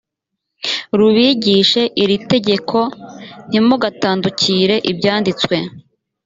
rubigishe iri tegeko ntimugatandukire ibyanditswe